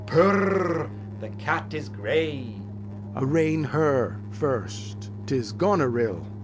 Purr! the cat is gray. Lear. Arraign her first. 'Tis Goneril.